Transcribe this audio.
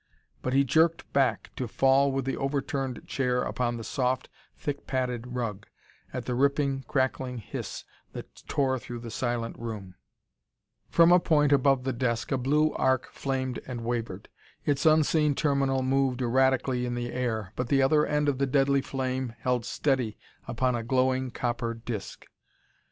But he jerked back, to fall with the overturned chair upon the soft, thick padded rug, at the ripping, crackling hiss that tore through the silent room. From a point above the desk a blue arc flamed and wavered. Its unseen terminal moved erratically in the air, but the other end of the deadly flame held steady upon a glowing, copper disc.